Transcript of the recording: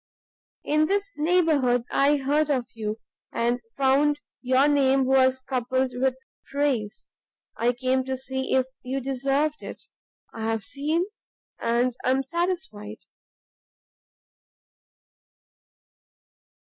In this neighbourhood I heard of you, and found your name was coupled with praise. I came to see if you deserved it; I have seen, and am satisfied."